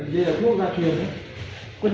đây là thuốc gia truyền